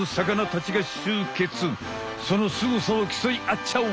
そのすごさをきそいあっちゃおう！